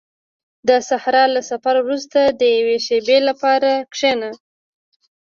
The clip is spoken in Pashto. • د صحرا له سفر وروسته د یوې شېبې لپاره کښېنه.